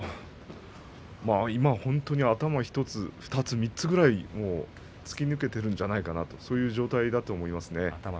今本当に頭１つ、２つ、３つぐらい突き抜けているのではないかという状態だと思います。